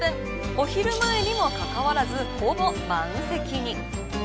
お昼前にもかかわらずほぼ満席に。